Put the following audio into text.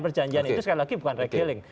perjanjian itu bukan rekeling